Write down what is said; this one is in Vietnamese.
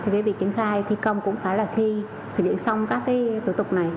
về việc triển khai thi công cũng phải là khi thực hiện xong các tổ tục này